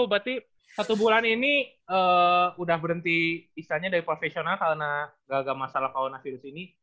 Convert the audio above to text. berarti satu bulan ini udah berhenti isanya dari profesional karena gak ada masalah kawanan virus ini